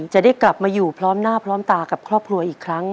จะได้กลับมาอยู่พร้อมหน้าพร้อมตากับครอบครัวอีกครั้ง